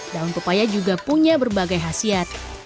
daun pepaya juga punya berbagai khasiat